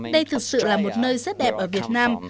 đây thật sự là một nơi rất đẹp ở việt nam